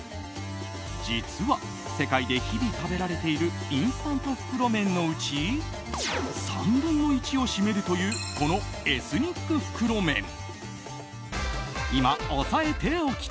実は、世界で日々、食べられているインスタント袋麺のうち３分の１を占めるというこのエスニック袋麺。